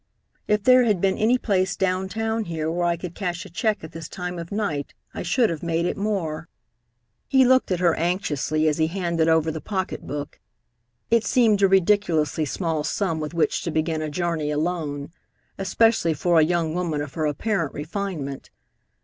If there had been any place down town here where I could cash a check at this time of night, I should have made it more." He looked at her anxiously as he handed over the pocketbook. It seemed a ridiculously small sum with which to begin a journey alone, especially for a young woman of her apparent refinement.